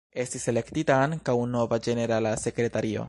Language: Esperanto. Estis elektita ankaŭ nova ĝenerala sekretario.